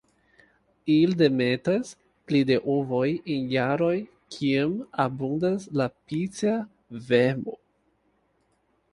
Ili demetas pli da ovoj en jaroj kiam abundas la Picea vermo.